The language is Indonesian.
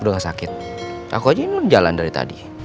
udah gak sakit aku aja ini jalan dari tadi